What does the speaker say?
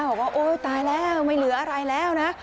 บอกว่าโอ๊ยตายแล้วไม่เหลืออะไรแล้วนะ